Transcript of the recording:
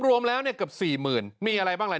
รวมแล้วเนี่ยกับ๔๐๐๐๐บาท